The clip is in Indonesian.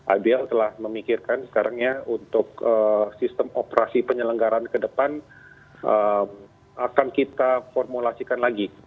abl telah memikirkan sekarang ya untuk sistem operasi penyelenggaran kedepan akan kita formulasikan lagi